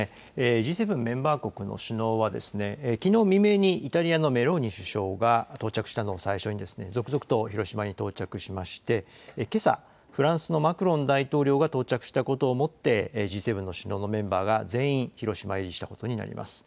Ｇ７メンバー国の首脳はきのう未明にイタリアのメローニ首相が到着したのを最初に続々と広島に到着しまして、けさ、フランスのマクロン大統領が到着したことをもって、Ｇ７の首脳のメンバーが全員広島入りしたことになります。